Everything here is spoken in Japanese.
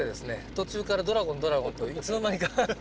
途中からドラゴンドラゴンといつの間にか。